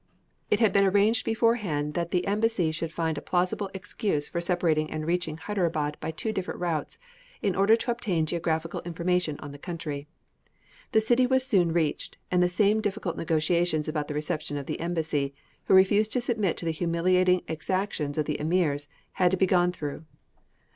It had been arranged beforehand that the embassy should find a plausible excuse for separating and reaching Hyderabad by two different routes, in order to obtain geographical information on the country. The city was soon reached, and the same difficult negotiations about the reception of the embassy, who refused to submit to the humiliating exactions of the emirs, had to be gone through.